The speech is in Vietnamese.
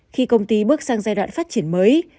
khi công ty bước sang giai đoạn phát triển mới